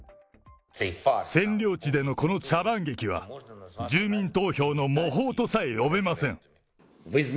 占領地でのこの茶番劇は、住民投票の模倣とさえ呼べません。